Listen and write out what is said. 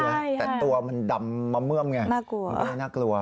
แต่ตัวมันดำมะเมื่อมไงน่ากลัวน่ากลัว